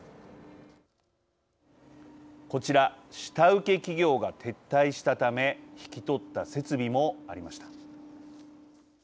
こちら下請け企業が撤退したため引き取った設備もありました。